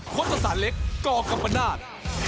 คนศาสตร์เล็กกกัมปนาศ